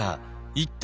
一体